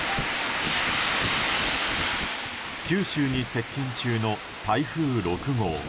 九州に接近中の台風６号。